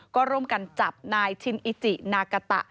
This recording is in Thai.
ก็ร่วมกันจับนายชินอิจินากาตะ